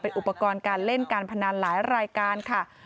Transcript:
อุปกรณ์การเล่นการพนันหลายรายการค่ะ